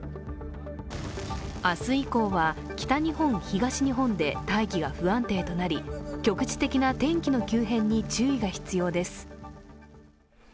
明日以降は北日本、東日本で大気が不安定となり局地的な天気の急変に注意が必要です。